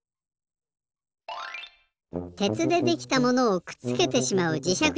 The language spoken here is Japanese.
鉄でできたものをくっつけてしまうじしゃく